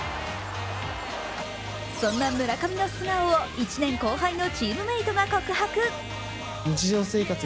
そんな村上の素顔を１年後輩のチームメートが告白。